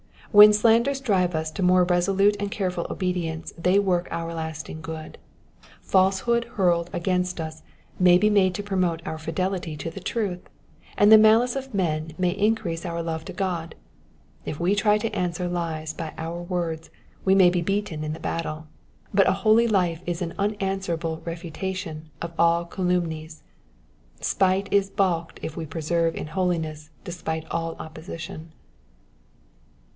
'*'* When slanders drive us to more resolute and careful obedience they work our lasting good ; falsehood hurled against us may be made to promote our fidelity to the truth, and the malice of men may increase our love to God. If we try to answer lies by our words we may be beaten in the battle ; but a holy life is an unanswerable refutation of all calumnies. Spite is balked if we persevere in holiness despite all oppoeition.